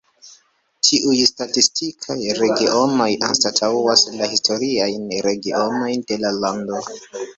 Tiuj statistikaj regionoj anstataŭas la historiajn regionojn de la lando.